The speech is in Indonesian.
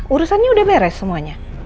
urusannya udah beres semuanya